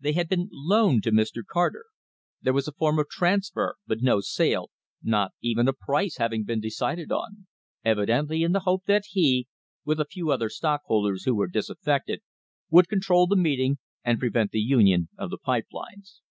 They had been loaned to Mr. Carter; there was a form of transfer, but no sale, not even a price having been decided on evidently in the hope that he, with a few other stockholders who were disaffected, would control the meeting and prevent the union of the pipe lines.